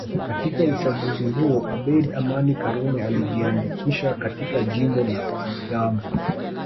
Katika uchaguzi huo Abeid Amani Karume alijiandikisha katika jimbo la Ngambo